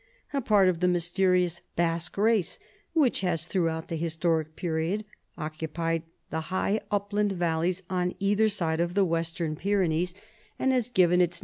A part of the mysterious Basque race, which has throughout the historic period occupied the high upland valleys on either side of the "Western Pyrenees, and has given its 198 CHARLEMAGNE.